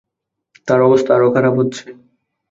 তার অবস্থা আরো খারাপ হচ্ছে।